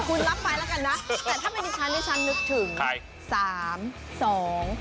คุณรับไปแล้วกันนะแต่ถ้าเป็นดิฉันดิฉันนึกถึง